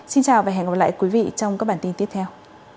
xin chào và hẹn gặp lại quý vị trong các bản tin tiếp theo